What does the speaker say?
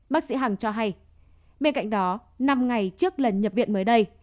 bác sĩ hằng cho hay bên cạnh đó năm ngày trước lần nhập viện mới đây